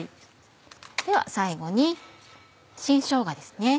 では最後に新しょうがですね。